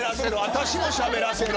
私もしゃべらせろ。